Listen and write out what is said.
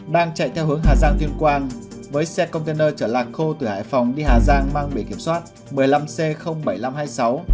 đang chạy theo hướng hà giang tuyên quang với xe container trở lạc khô từ hải phòng đi hà giang mang bề kiểm soát một mươi năm c bảy nghìn năm trăm hai mươi sáu